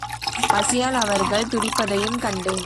பசியால் அவர்கள் துடிப்பதையும் கண்டேன்.